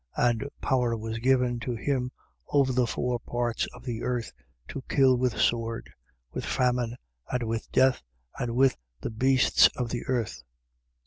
And power was given to him over the four parts of the earth, to kill with sword, with famine and with death and with the beasts of the earth.